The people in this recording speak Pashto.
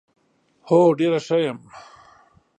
هو ډېره ښه یم .